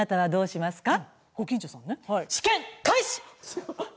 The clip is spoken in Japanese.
試験開始！